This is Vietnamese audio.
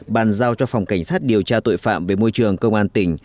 bàn giao cho phòng cảnh sát điều tra tội phạm về môi trường công an tỉnh